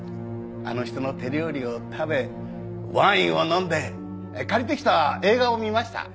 あの人の手料理を食べワインを飲んで借りてきた映画を見ました。